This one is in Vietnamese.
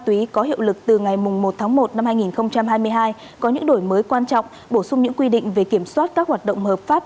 túy có hiệu lực từ ngày một tháng một năm hai nghìn hai mươi hai có những đổi mới quan trọng bổ sung những quy định về kiểm soát các hoạt động hợp pháp